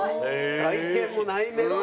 外見も内面も。